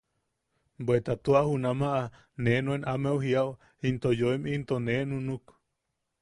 Bweta tua junamaʼa ne nuen ameu jiao into yoim into nee nunuk.